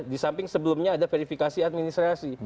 di samping sebelumnya ada verifikasi administrasi